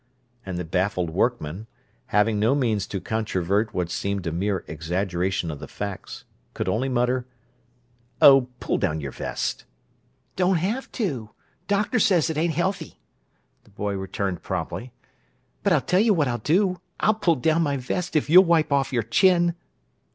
And the baffled workman, having no means to controvert what seemed a mere exaggeration of the facts could only mutter "Oh, pull down your vest!" "Don't haf to! Doctor says it ain't healthy!" the boy returned promptly. "But I'll tell you what I'll do: I'll pull down my vest if you'll wipe off your chin!"